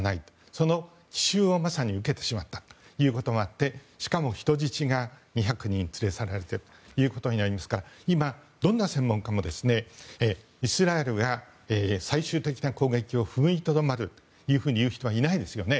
その奇襲をまさに受けてしまったということもあってしかも人質が２００人連れ去られていますから今、どんな専門家もイスラエルが最終的な行動を踏みとどまるというふうに言う人はいないですよね。